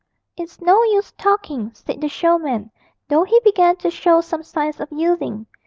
'It's no use talking,' said the showman, though he began to show some signs of yielding.